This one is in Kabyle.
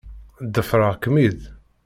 Ḍefreɣ-kem-id.